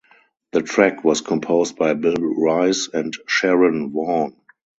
The track was composed by Bill Rice and Sharon Vaughn.